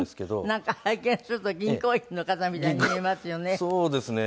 なんか拝見すると銀行員の方みたいに見えますよね。